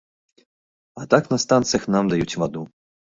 А так, на станцыях нам даюць ваду.